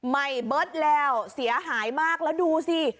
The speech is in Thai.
เบิร์ตแล้วเสียหายมากแล้วดูสิ